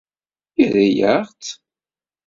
Yerra-yaɣ-tt.